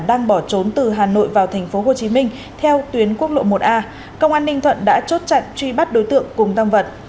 đang bỏ trốn từ hà nội vào tp hcm theo tuyến quốc lộ một a công an ninh thuận đã chốt chặn truy bắt đối tượng cùng tăng vật